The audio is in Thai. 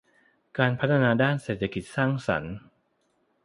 การพัฒนาด้านเศรษฐกิจสร้างสรรค์